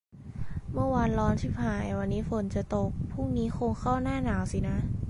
เมื่อวานร้อนชิบหาย วันนี้ฝนจะตก พรุ้งนี้คงเข้าหน้าหนาวสินะ